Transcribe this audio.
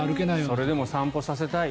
それでも散歩させたい。